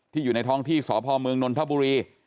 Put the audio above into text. ที่อยู่ในท้องที่สพมนนทบุรี